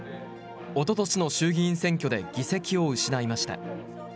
おととしの衆議院選挙で議席を失いました。